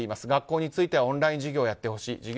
学校についてはオンライン授業をやってほしい。